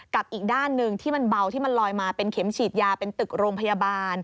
อีกด้านหนึ่งที่มันเบาที่มันลอยมาเป็นเข็มฉีดยาเป็นตึกโรงพยาบาล